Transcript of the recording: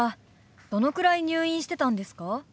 どのくらい入院してたんですか？